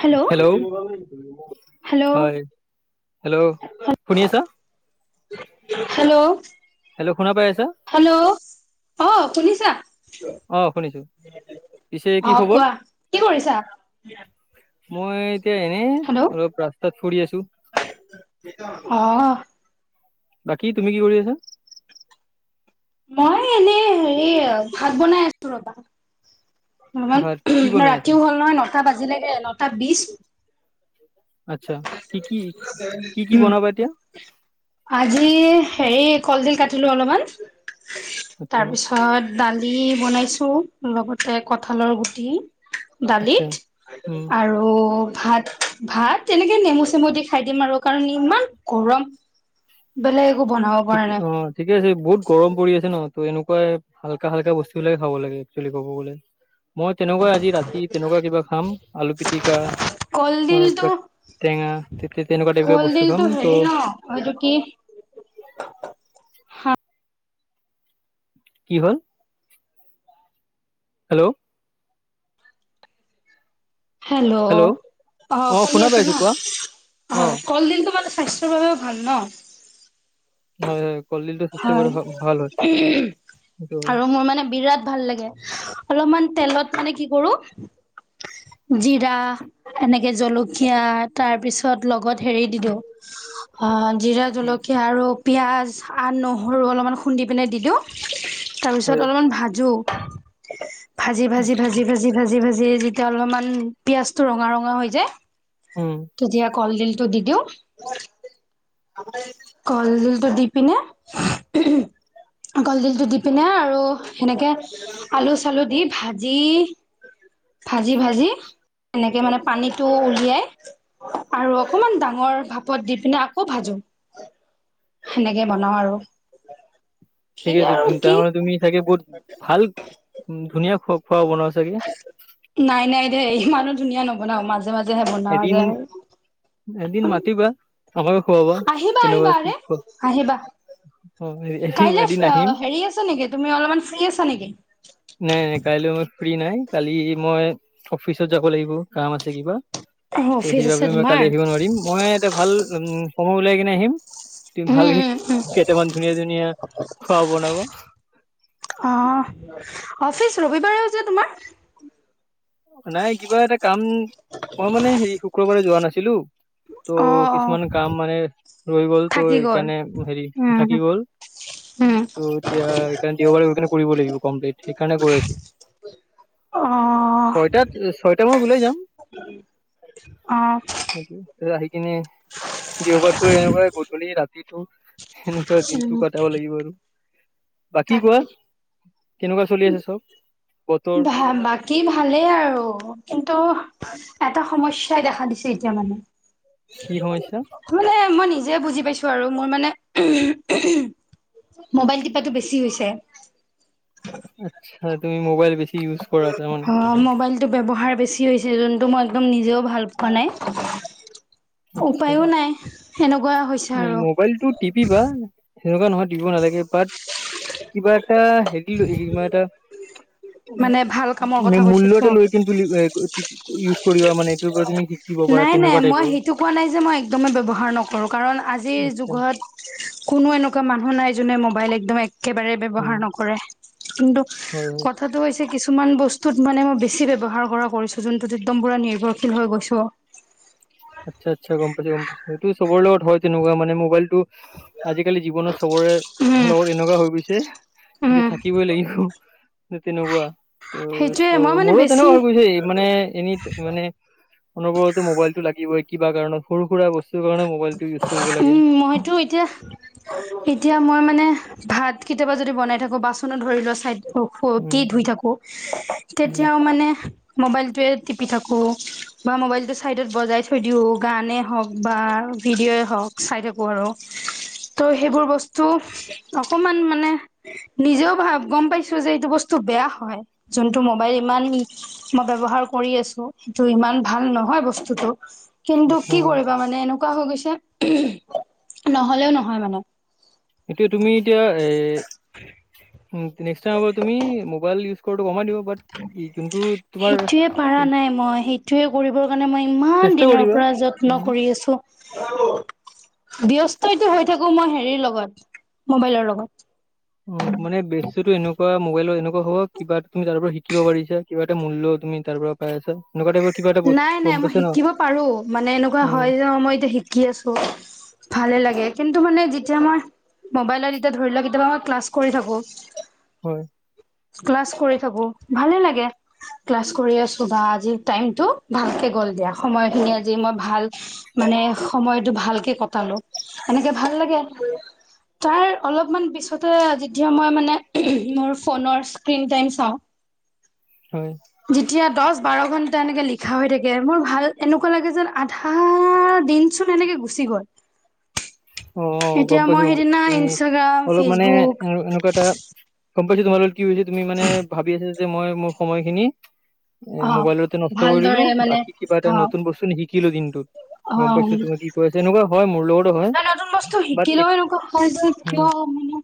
Hello [unintelligible] hello হয় hello শুনি আছা? হেল্ল' হেল্ল' শুনা পাই আছা? হেল্ল' অ শুনিছা? অ শুনিছো? পিছে কি অ খবৰ কোৱা, কি কৰিছা? মই এতিয়া এনেই হেল্ল' অলপ ৰাস্তাত ফুৰি আছো। অ। বাকী তুমি কি কৰি আছা? মই এনেই হেৰি ভাত বনাই আছোঁ ৰবা। ভাত কি [unintelligible] বনাই আছা ৰাতিও হ'ল নহয় নটা বাজিলেগৈ নটা বিশ আচ্ছা, কি, কি, কি, কি উম বনাবা এতিয়া? আজি হেৰি কলডিল কাটিলো অলপমান আচ্ছা তাৰপিছত অ', দালি বনাইছো লগতে কঠালৰ গুটি আচ্ছা দালিত উম আৰু ভাত, ভাত তেনেকে নেমু, চেমু দি খাই দিম আৰু কাৰণ ইমান গৰম বেলেগ একো বনাও ঠিক অ'। ঠিকে আছে বহুত গৰম পৰি আছে ন ত' এনেকুৱাই হাল্কা, হাল্কা বস্তু বিলাকে খাব লাগে একচুৱেলি কব গ'লে মই তেনেকুৱা আজি ৰাতি তেনেকুৱা কিবা খাম আলু পিটিকা আৰু কলডিলটো কিবা টেঙা তেয়া তেনেকুৱা টাইপৰ কিবা বস্তু খাম ত অহ, এইটো কি? হা কি হ'ল হেল্ল'। হেল্ল' অ', শুনি শুনা আছে ন পাইছো কোৱা অ', কলডিলতো মানে স্বাস্থ্য -ৰ বাবেও ভাল ন। হয়, হয়। কলডিলটো স্বাস্থ্য কৰি হয়, ভাল হয় সেইটো আৰু মোৰ মানে বিৰাট ভাল লাগে অলপমান তেলত মানে কি কৰো জিৰা এনেকে জলকীয়া তাৰ পিছত লগত হেৰি দি দিওঁ অ', জিৰা জলকীয়া আৰু পিঁয়াজ আৰু নহৰু অলপমান খুন্দি পিনে দি দিওঁ তাৰপিছত হয় হয় অলপমান ভাজো ভাজি, ভাজি, ভাজি, ভাজি, ভাজি, ভাজি যেতিয়া অলপমান পিয়াজটো ৰঙা ৰঙা হৈ যায়। উম। তেতিয়া কলডিলতো দি দিওঁ। কলডিলটো দি পিনে কলডিলটো দি পিনে আৰু সেনেকে আলু চালু দি ভাজি ভাজি, ভাজি এনেকৈ মানে পানীটো উলিয়াই আৰু অকমান ডাঙৰ ভাপত দি পিনে আকৌ ভাজো। সেনেকে বনাওঁ আৰু। কি ঠিক আছে আৰু ধুন কি তাৰমানে তুমি চাগে বহত ভাল ধুনীয়া খো খোৱা বনোৱা চাগে। নাই, নাই দে ইমানো ধুনীয়া নবনাও মাজে মাজেহে বনোৱা এদিন যায়। এদিন মাতিবা আমাকো খুৱাবা, আহিবা আহিবা কেনেকুৱা কি আৰে খোৱা আহিবা অ', কাইলে এ এদিন আহিম। হেৰি আছে নেকি তুমি অলপমান ফ্ৰী আছা নেকি। নাই, নাই কাইলৈ মই ফ্ৰী নাই কালি মই অফিচত যাব লাগিব কাম আছে কিবা। ত অফিচ আছে সেইবাবে মই কালি তোমাৰ? আহিব নোৱাৰিম মই এটা ভাল উ সময় উলিয়াই কিনে আহিম। তুমি উম ভালকে উম উম কেইটামান ধুনীয়া, ধুনীয়া খোৱা বনাবা। অহ, অফিচ ৰবিবাৰেও যে তোমাৰ। নাই কিবা এটা কাম মই মানে হেই শুক্ৰবাৰে যোৱা নাছিলোঁ। অ ত' অ কিছুমান কাম মানে ৰৈ গল তো থাকি গ'ল। এইকাৰণে হেৰি উম থাকি গ'ল। উম ত' এতিয়া সেইকাৰেণে দেওবাৰে গৈ কেনে কৰিব লাগিব কমপ্লিট সেইকাৰণে কৈ আছোঁ। অ'। ছয়টা মানত ওলাই যাম অ', অ'। সেইটোৱে আহি কিনে দেওবাৰটো এনেকুৱাই গধূলি ৰাতিটো সেনেকুৱা দিনটো উম কটাব লাগিব আৰু বাকী কোৱা তাকে কেনেকুৱা চলি আছে চব বতৰ বা বাকী ভালেই আৰু কিন্তু এটা সমস্যাই দেখা দিছে এতিয়া মানে কি সমস্যা মানে মই নিজে বুজি পাইছো আৰু মোৰ মানে ঊম ঊম মোবাইল টিপাটো বেছি বেছি হৈছে আচ্ছা তুমি মোবাইল বেছি ইউজ কৰা তাৰমানে অ মোবাইল টো ব্যৱহাৰ বেছি হৈছে যোনটো মই একদম নিজেও ভাল পোৱা নাই উপায়ো নাই সেনেকুৱা হৈছে ন আৰু মোবাইলটো টিপিবা সেনেকুৱা নহয় টুপিব নালাগে বাত কিবা এটা হেৰিলৈ কিবা এটা মানে ভাল কামৰ কথা কৈছেতো মূল্যটো লৈ [unintelligible] ইউজ কৰিবা মানে এইটোৰ পৰা তুমি শিকিব পাৰা তেনেকুৱা টাইপৰ এইটো কোৱা নাই যে মই একদমেই ব্যৱহাৰ নকৰোঁ কাৰণ আজিৰ আচ্ছা যুগত কোনো এনেকুৱা মানুহ নাই যোনে মোবাইল একদম একেবাৰে উম ব্যৱহাৰ নকৰে কিন্তু হয় কথাটো হৈছে কিছুমান বস্তুত মানে মই বেছি ব্যৱহাৰ কৰা কৰিছোঁ যোনটোত একদম পূৰা নিৰ্ভৰশীল হৈ গৈছোঁ আচ্ছা আচ্ছা গম পাইছো গম পাইছো সেইটো চবৰ লগত হয় তেনেকুৱা মানে মোবাইলটো আজিকালি জীৱনত চবৰে উম লগৰী এনেকুৱা হৈ গৈছে যে উম থাকিবই লাগিব ঠিক তেনেকুৱা ত সেইটোয়ে চ মই মানে মোৰো বেছি তেনেকুৱা হৈ গৈছে মানে এই মানে অনবৰতে মোবাইলটো লাগিবই কিবা কাৰণত সৰু সুৰা বস্তু বস্তুৰ কাৰণে মোবাইলটো ইউজ কৰিব লাগে উম মইতো এতিয়া এতিয়া মই মানে ভাত কেতিয়াবা যদি বনাই থাকো বাচনত ধৰি লোৱা চাইদ অ ফ উম টি ধুই থাকো উম তেতিয়াও মানে মোবাইলটোৱে টিপি থাকো বা মোবাইলটো চাইডত বজাই থৈ দিও গানে হওক বা ভিডিঅ'ৱে হওক চাই থাকোঁ আৰু ত' সেইবোৰ বস্তু অকমান মানে নিজেও মই গম পাইছো যে এইটো বস্তু বেয়া হয় যোনটো মোবাইল ইমান মই ব্যৱহাৰ কৰি আছো সেইটো ইমান ভাল নহয় বস্তুটো কিন্তু অ কি কৰিবা মানে এনেকুৱা হৈ গৈছে ঊম নহলেও নহয় মানে এতিয়া তুমি এতিয়া এ উম নেক্স টাইমৰ পৰা তুমি মোবাইল ইউজ কৰাতো কমাই দিবা। বাট যোনটো তোমাৰ সেইটোয়ে পাৰা নাই মই সেইটোয়ে কৰিবৰ কাৰণে মই ইমান চেষ্টা দিনৰ কৰিবা পৰা যত যত্ন তুমি, কৰি আছোঁ। [unintelligible] ব্যস্তইতো হৈ থাকো মই হেৰি লগত মোবাইলৰ লগত অ মানে ব্যস্ততো এনেকুৱা মোবাইলত এনেকুৱা হ'ব কিবা তুমি তাৰ পৰা শিকিব পাৰিছা। কিবা এটা মূল্য তুমি তাৰ পৰা পাই আছা। এনেকুৱা টাইপৰ কিবা এটা বস্তু নাই নাই গম মই পাইছা ন শিকিব পাৰোঁ মানে এনেকুৱা উম হয় যে মই এতিয়া শিকি আছোঁ। ভালে লাগে কিন্তু মানে যেতিয়া মই মোবাইলত যেতিয়া ধৰি লোৱা কেতিয়াবা মই ক্লাছ কৰি থাকো হয়। ক্লাছ কৰি থাকোঁ ভালে লাগে। ক্লাছ কৰি আছোঁ বা আজি টাইমটো ভালকে গ'ল দিয়া, সময়খিনি আজি মই ভাল মানে সময়টো ভালকে কটালো, এনেকে ভাল লাগে। তাৰ অলপমান পিছতে যেতিয়া মই মানে মোৰ ফোনৰ স্ক্ৰীন টাইম চাওঁ হয়। যেতিয়া দছ বাৰ ঘন্টা এনেকে লিখা হৈ থাকে মোৰ ভাল এনেকুৱা লাগে যেন আ হাঁ দিনচোন এনেকে গুচি গ'ল। অঁ গম এতিয়া পাইছোঁ মই গম পাইছোঁ সেইদিনা তুমি ইনষ্টাগ্ৰাম অলপ মানে ফেচবুক এনেকুৱা এটা গম পাইছোঁ তোমাৰ লগত কি হৈছে, তুমি মানে ভাবি আছা যে মই মোৰ সময়খিনি এ অ মোবাইলতে নষ্ট কৰি দিলোঁ, ভালদৰে মানে বাকী কিবা এটা অ নতুন বস্তু শিকিলোঁ দিনটোত। অ গম পাইছোঁ মই তুমি কি কৈ আছা, এনেকুৱা হয় মোৰ লগতো হয়। বাট কেলৈ এনেকুৱা হৈ যায় কিয় মানে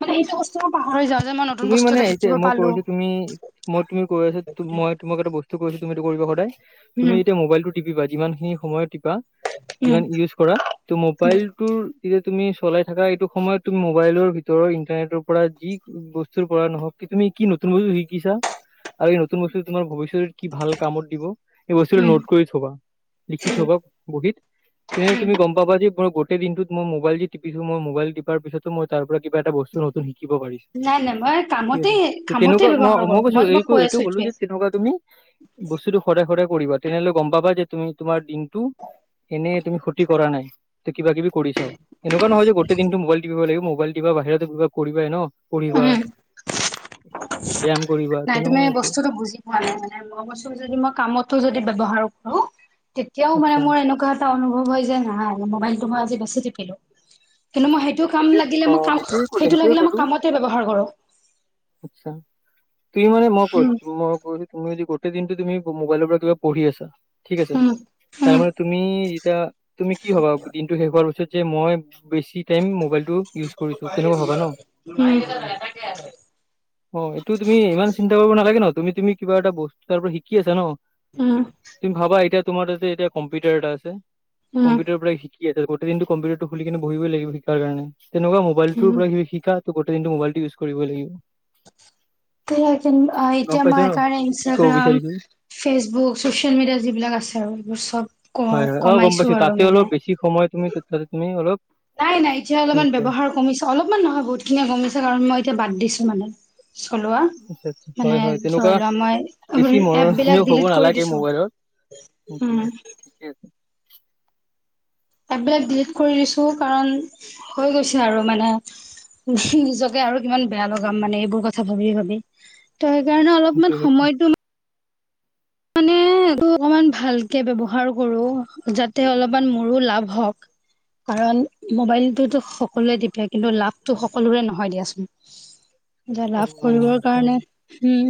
মানে এইটো বস্ কিয় পাহৰি যাওঁ যে মই নতুন তুমি বস্তু মানে এটা এতিয়া শিকিব মই পালোঁ। কৈছো তুমি মই তুমি কৈ আছোঁ মই তোমাক এটা বস্তু কৈছোঁ তুমি এইটো কৰিবা সদায়, তুমি উম এতিয়া মোবাইলটোত টিপিবা যিমান খিনি সময় টিপা উম যিমান ইউজ কৰা ত' উম মোবাইল তোৰ যেতিয়া তুমি চলাই থাকা এইটো সময়ত তুমি মোবাইলৰ ভিতৰ ইন্টাৰনেটৰ পৰা যি বস্ বস্ত পৰা নহওঁক কি তুমি কি নতুন বস্তু শিকিছা আৰু এই নতুন বস্তু তোমাৰ ভৱিষ্যত কি ভাল কামত দিব সেই বস্তুটো উম নোট কৰি থবা, লিখি উম থবা বহীত। তেতিয়াহে উম তুমি গম পাবা যে মই গোটেই দিনতোত মই মোবাইল টিপিছো মই মোবাইল টিপাৰ পিছতো মই তাৰপৰা কিবা এটা বস্তু নত তুন শিকিব পাৰিছোঁ। নাই নাই মই ঠিক কামতে আছে কামতে তেনেকুৱা ম ব্যৱহাৰ মই কৰো কৈছোঁ এই তোমাক কৈ এইটোৱে আছো ক'লো যে তেনেকুৱা তুমি বস্তুটো সদায় সদায় কৰিবা তেনেহ'লে গম পাবা যে তুমি তোমাৰ দিন টো এনেই তুমি ক্ষতি কৰা নাই তে কিবা কিবি কৰিছাও। এনেকুৱা নহয় যে গোটেই দিনটো মোবাইল টিপিব লাগিব মোবাইল টিপা বাহিৰেও কিবা কৰিবাই ন পঢ়িবা। ব্যায়াম কৰিবা [unintelligible] নাই তুমি তেনেকুৱা এইটোৱে বস্তুটো বুজি পোৱা নাই মানে, মই কৈছোঁ যদি মই কামতো যদি ব্যৱহাৰ কৰোঁ তেতিয়াও মানে আচ্ছা মোৰ এনেকুৱা টা অনুভৱ হয় যায় নহয় মোবাইলটো মই আজি বেছি টিপিলো, কিন্তু মই সেই সেইটো কাম সেইটোৱে লাগিলে অ মই কাম সেইটোৱে কলো সেইটো সেইটোৱে লাগিলে মই কলো কামতেই ব্যৱহাৰ কৰোঁ। আচ্ছা তুমি মানে মই উম কৈছোঁ মই কৈছোঁ তুমি আজি গোটেই দিনটো তুমি মোবাইলৰ পৰা কিবা পঢ়ি আছা ঠিক আছে। উম উম তাৰমানে তুমি যেতিয়া তুমি কি ভাবা দিনটো শেষ হোৱাৰ পিছত যে মই বেছি টাইম মোবাইল টো ইউজ কৰিছোঁ তেনেকুৱা ভাবা ন? উম অ এইটো তুমি ইমান চিন্তা কৰিব নালাগে ন, তুমি তুমি কিবা এটা বস্তু তাৰপৰা শিকি আছা ন। উম। তুমি ভাবা এতিয়া তোমাৰ তাতযে এতিয়া কম্পিউটাৰ এটা আছে, উম কম্পিউটাৰৰ পৰা শি কি আছে গোটেই দিনটো কম্পিউটাৰটো খুলি কিনে বহিবই লাগিব শিকাৰ কাৰণে, তেনেকুৱা মোবাইলটোৰ উম পৰা শিকা ত গোটেই দিনটো মোবাইলটো ইউজ কৰিবই লাগিব। তেনেকেন আ গম এতিয়া পাইছা মাৰ ন কাৰণে কি ক'ব ইনষ্টাগ্ৰাম বিচাৰিছো ফেচবুক চচিয়েল মিডিয়া যিবিলাক আছে আৰু এইবোৰ চব ক হয় হয় অ গম কমাইছো পাইছো আৰু তাতে মানে অলপ বেছি সময় তুমি তাতে তুমি অলপ নাই নাই এতিয়া অলপমান ব্যৱহাৰ কমিছে, অলপমান নহয় বহুতখিনিয়ে কমিছে কাৰণ মই এতিয়া বাদ দিছো মানে। চলোৱা আচছা মানে হয় হয় তেনেকুৱা ধৰি লোৱা মই বেছি এপ বিলাক মনোৰঞ্জীয় হব ডিলিট কৰি নালাগে দিছো। মোবাইলত। উম ঠিকে আছে এপবিলাক ডিলিট কৰি দিছো কাৰণ হৈ গৈছে আৰু মানে নিজকে আৰু কিমান বেয়া লগাম মানে এইবোৰ কথা ভাবি ভাবি ত সেইকাৰণে সেইটো অলপমান সেইটো সময়তো মানে এইটো অকমান ভালকে ব্যৱহাৰ কৰো যাতে অলপমান মোৰো লাভ হওক কাৰণ মোবাইলটোতো সকলোৱে তিপে কিন্তু লাভটো সকলোৰে নহয় দিয়াচোন [inaudible] এতিয়া লাভ নহয় কৰিবৰ নহয় হয় কাৰণে হম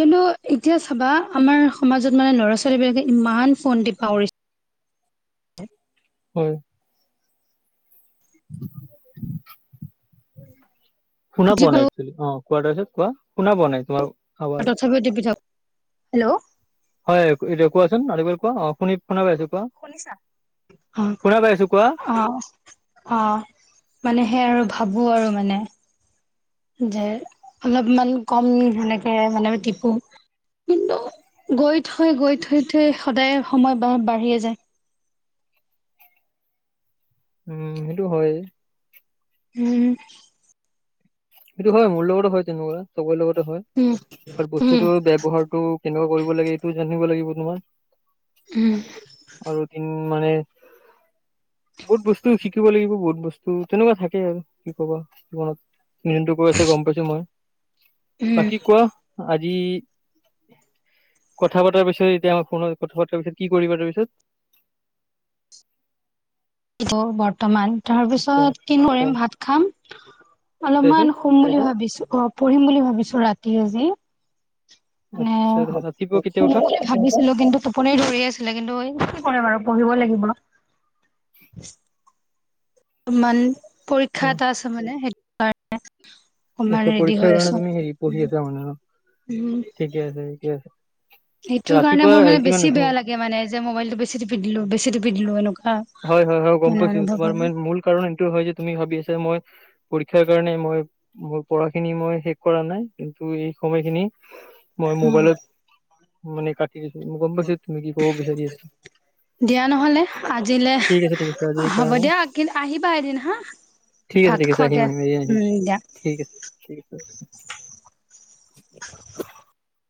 কিন্তু এতিয়া চাবা আমাৰ সমাজত মানে ল'ৰা ছোৱালীবিলাকে ইমান ফন্তি পাহৰিছে হয় শুনা পোৱা নাই অ কোৱা তাৰপাছত যি পাওঁ কোৱা শুনা পোৱা নাই তোমাৰ আৱাজ তথাপিও [unintelligible] হেল্ল' হয় এতিয়া কোৱাচোন আৰু এবাৰ কোৱা অ শুনি শুনা পাইছো কোৱা শুনিছা শুনা পাইছো কোৱা অ অ অ মানে সেই আৰু ভাবো আৰু মানে যে অলপমান কম হেনেকে মানে টিপু কিন্তু গৈ থৈ গৈ থৈ থৈ সদায় সময় বা বাঢ়িয়ে যায় উম সেইটো হয় উম সেইটো হয় মোৰ লগটো হয় তেনেকুৱা চবৰে লগতে হয় উম [unintelligible] উম বস্তুতৰ ব্যৱহাৰটো কেনেকুৱা কৰিব লাগে এইটো জানিব লাগিব তোমাৰ উম আৰু তিন মানে বহুত বস্তু শিকিব লাগিব বহুত বস্তু ত তেনেকুৱা থাকে আৰু কি কব জীৱনত কৰি আছে গম পাইছো মই উম বাকী কোৱা আজি কথা পতাৰ পিছত এতিয়া আমাৰ ফোনত কথা পতাৰ পিছত কি কৰিবা তাৰপিছত [unintelligible] বৰ্তমান আচ্ছা তাৰপিছত কিনো কৰিম ভাত খাম তাৰপিছত অলপমান হুম বুলি ভাবিছো অ পঢ়িম বুলি ভাবিছো ৰাতি আজি আচ্ছা অ তাৰপিছত ৰাতিপুৱা কেতিয়া উঠা ভাবিছিলো কিন্তু টোপনি ধৰি আছিলে কিন্তু এ কি কৰিম আৰু পঢ়িব লাগিব [inaudible] ইমান পৰীক্ষা এটা আছে মানে সেইটো কাৰণে অকমান আচ্ছা ৰেডি হৈ পৰীক্ষাৰ কাৰণে আছো তুমি হেৰি পঢ়ি আছা মানে ন উম ঠিকে আছে ঠিকে আছে সেইটো কাৰণে ৰাতিপুৱা মোৰ মানে কিমান বেছি বেয়া লাগে মানে যে মবাইলটো বেছি টিপি দিলো বেছি টিপি দিলো এনেকুৱা হয় হয় হয় গম মানে পাইছো অনুভৱ তোমাৰ হয় ম মূল কাৰণ এইটো হয় যে তুমি ভাবি আছা মই পৰীক্ষাৰ কাৰণে মই মোৰ পঢ়াখিনি মই শেষ কৰা নাই কিন্তু এই সময়খিনি মই উম মোবাইলত মানে কাটি দিছো মই গম পাইছো তুমি কি কব বিচাৰি আছা দিয়া নহলে আজিলৈ ঠিক আছে ঠিক আছে আজিৰ হ'ব কাৰণে দিয়ক কি আহিবা এদিন হা ঠিক আছে ভাত ঠিক আছে আহিম খোৱাকে আহিম এ আহিম উম দিয়া ঠিক আছে ঠিক আছে